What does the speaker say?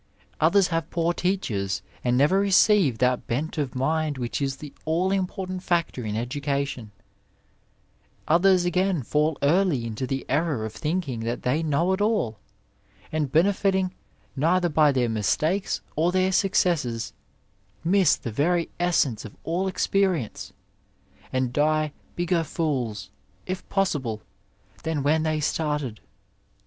Others have poor teachers, and never receive that bent of mind which is the all important factor in education ;%, others again fall early into the error of thinking that they T know it all^ and benefiting neither by their mistakes or * 180 Digitized by Google TEACHING AND THINKING their successes, miss the very essence of all experience, and die bigger fools, if possible, than when they started.